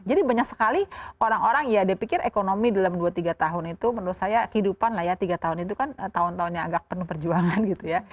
jadi banyak sekali orang orang ya dipikir ekonomi dalam dua tiga tahun itu menurut saya kehidupan lah ya tiga tahun itu kan tahun tahunnya agak penuh perjuangan gitu ya